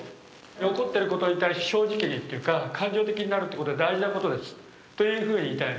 起こってることに対して正直にっていうか感情的になるってことは大事なことですというふうに言いたい。